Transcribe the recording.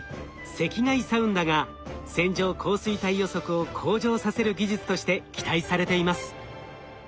赤外サウンダが線状降水帯予測を向上させる技術として期待されています。